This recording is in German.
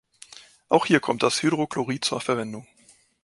Auch hier kommt das Hydrochlorid zur Verwendung.